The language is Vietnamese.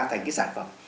thành cái sản phẩm